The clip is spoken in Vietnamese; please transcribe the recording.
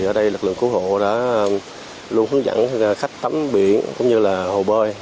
ở đây lực lượng cứu hộ luôn hướng dẫn khách tắm biển cũng như hồ bơi